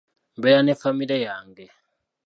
Mbeera ne famire yange.